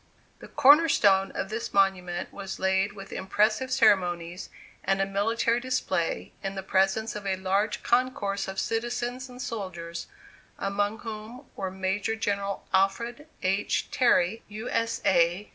The corner stone of this monument was laid with impressive ceremonies and a military display, in the presence of a large concourse of citizens and soldiers, among whom were Major General Alfred H. Terry, U. S. A.